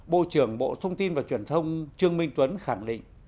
bộ trưởng bộ thông tin và truyền thông trương minh tuấn khẳng định